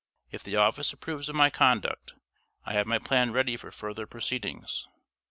If the office approves of my conduct, I have my plan ready for further proceedings.